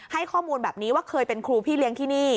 ให้ข้อมูลแบบนี้ว่าเคยเป็นครูพี่เลี้ยงที่นี่